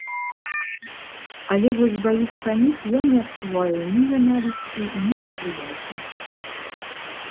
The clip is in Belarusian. Але вось да іх саміх я не адчуваю ні нянавісці, ні непрыязі.